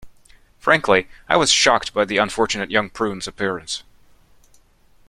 Frankly, I was shocked by the unfortunate young prune's appearance.